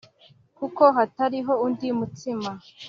kuko hatariho undi mutsima